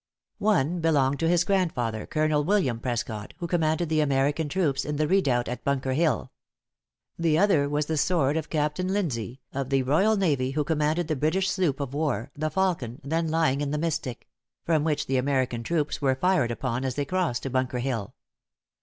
One belonged to his grandfather, Colonel William Prescott, who commanded the American troops in the redoubt at Bunker Hill. The other was the sword of Captain Linzee, of the royal navy, who commanded the British sloop of war The Falcon, then lying in the Mystic; from which the American troops were fired upon as they crossed to Bunker Hill.